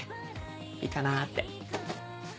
いいかなって。